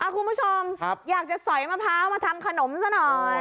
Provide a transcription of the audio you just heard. คุณผู้ชมอยากจะสอยมะพร้าวมาทำขนมซะหน่อย